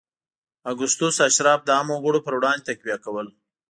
اګوستوس اشراف د عامو وګړو پر وړاندې تقویه کړل